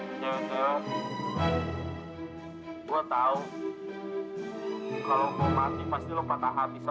abang darwin cuma pengen kalau kamu tahu cinta abang darwin itu benar benar sulit buat